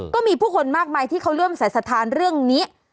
ก็มีผู้คนมากมายที่เขาร่วมสายสถานเรื่องนี้